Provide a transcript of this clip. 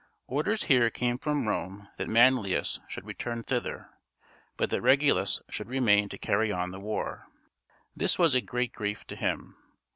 Orders here came from Rome that Manlius should return thither, but that Regulus should remain to carry on the war. This was a great grief to him.